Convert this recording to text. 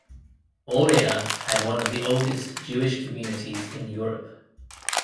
Oria had one of the oldest Jewish communities in Europe.